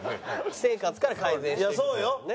私生活から改善していこうとね。